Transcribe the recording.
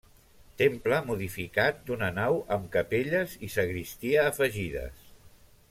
Temple modificat d'una nau amb capelles i sagristia afegides.